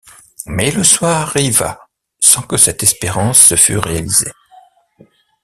Mais le soir arriva sans que cette espérance se fût réalisée.